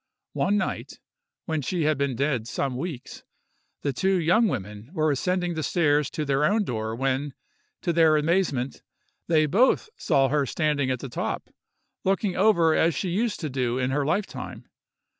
One night, when she had been dead some weeks, the two young women were ascending the stairs to their own door, when, to their amazement, they both saw her standing at the top, looking over as she used to do in her lifetime.